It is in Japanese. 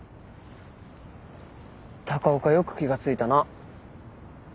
高岡よく気が付いたな。